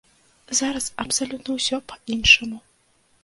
Зараз абсалютна ўсё па-іншаму.